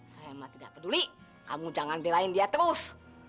saya mah tidak peduli kamu jangan pilih dia terus